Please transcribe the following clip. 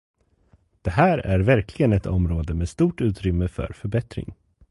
Det här är verkligen ett område med stort utrymme för förbättring.